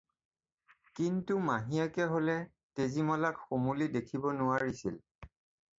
কিন্তু মাহীয়েকে হ'লে তেজীমলাক সমূলি দেখিব নোৱাৰিছিল।